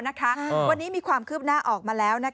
วันนี้มีความคืบหน้าออกมาแล้ว